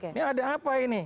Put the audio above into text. ini ada apa ini